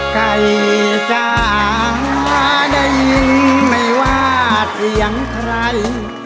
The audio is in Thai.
ใครจะได้ยินไม่ว่าจะยังใคร